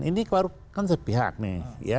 ini kan sepihak nih